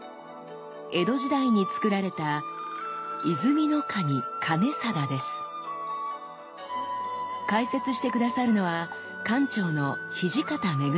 江戸時代につくられた解説して下さるのは館長の土方愛さん。